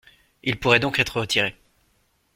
Il pourrait donc être retiré.